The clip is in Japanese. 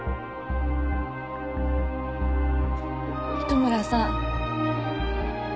糸村さん。